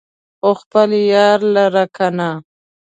خو خپل يار لره کنه